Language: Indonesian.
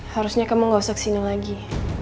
harusnya kamu gak usah ke sini lagi